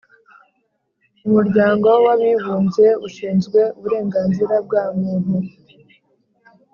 Umuryango w ‘Abibumbyeushinzwe uburenganzira bwamuntu